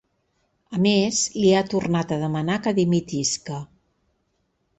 A més, li ha tornat a demanar que dimitisca.